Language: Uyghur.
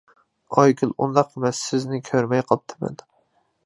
ئايگۈل :ئۇنداق ئەمەس، سىزنى كۆرمەي قاپتىمەن.